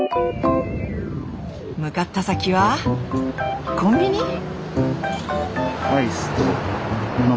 向かった先はコンビニ？